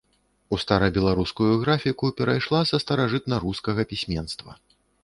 У старабеларускую графіку перайшла са старажытнарускага пісьменства.